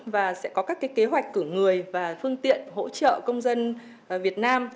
và sẽ có các kế hoạch cử người và phương tiện hỗ trợ công dân việt nam